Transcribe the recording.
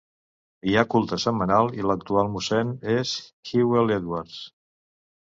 Hi ha culte setmanal i l'actual mossèn és Hywel Edwards.